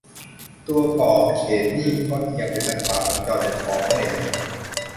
ตัวก่อเขตนี่ก็เอียงไปทางขวาของจอจนคอเมื่อยแล้ว